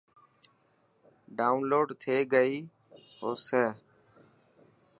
ڊائون لوڊ ٿي گئي هو سي.